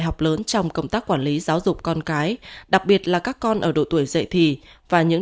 học lớn trong công tác quản lý giáo dục con cái đặc biệt là các con ở độ tuổi dậy thì và những